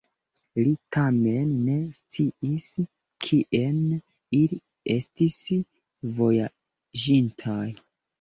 Li tamen ne sciis, kien ili estis vojaĝintaj.